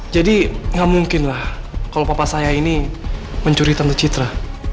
jadi gak mungkin lah kalau papa saya ini mencuri tante citra